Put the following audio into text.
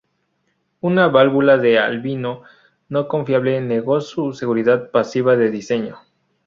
Una válvula de alivio no confiable negó su seguridad pasiva de diseño.